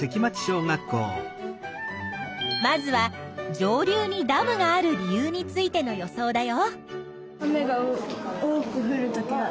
まずは上流にダムがある理由についての予想だよ。